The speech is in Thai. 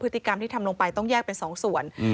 พฤติกรรมที่ทำลงไปต้องแยกเป็นสองส่วน